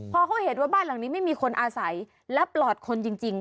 พอเขาเห็นว่าบ้านหลังนี้ไม่มีคนอาศัยและปลอดคนจริง